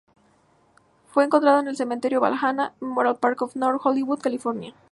Fue enterrado en el cementerio Valhalla Memorial Park de North Hollywood, California.